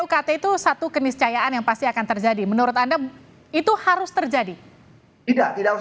ukt itu satu keniscayaan yang pasti akan terjadi menurut anda itu harus terjadi tidak tidak harus